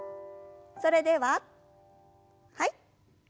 それでははい。